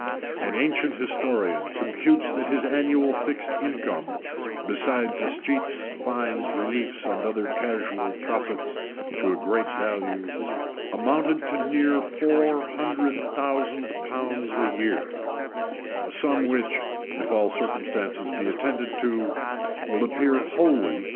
An ancient historian computes that his annual fixed income, besides escheats, fines, reliefs, and other casual profits to a great value, amounted to near four hundred thousand pounds a year;[] a sum which, if all circumstances be attended to, will appear wholly incredible.